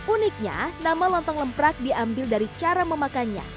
uniknya nama lontong lemprak diambil dari cara memakannya